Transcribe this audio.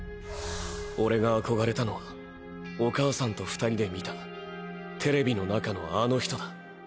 俺があこがれたのはお母さんと２人で観たテレビの中のあの人だ。